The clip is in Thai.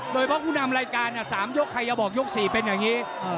โดยเพราะผู้นำรายการ๓ยกใครจะบอกยก๔เป็นอย่างนี้